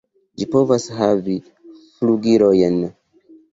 Ĝi povas havi flugilojn.